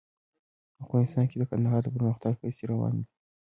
افغانستان کې د کندهار د پرمختګ هڅې روانې دي.